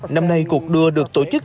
năm nay cuộc đua được tổ chức